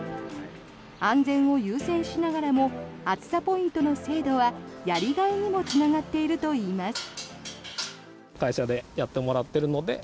安全を優先しながらも暑さポイントの制度はやりがいにもつながっているといいます。